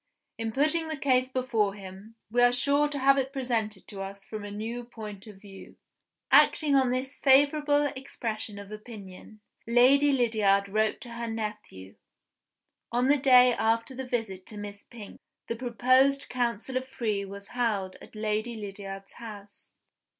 "In putting the case before him, we are sure to have it presented to us from a new point of view." Acting on this favorable expression of opinion, Lady Lydiard wrote to her nephew. On the day after the visit to Miss Pink, the proposed council of three was held at Lady Lydiard's house.